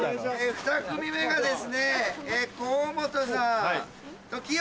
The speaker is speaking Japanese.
２組目がですね河本さんとキヨさん。